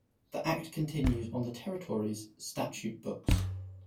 The Act continues on the Territory's statute books.